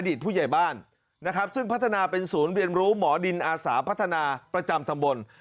ผู้ใหญ่บ้านนะครับซึ่งพัฒนาเป็นศูนย์เรียนรู้หมอดินอาสาพัฒนาประจำตำบล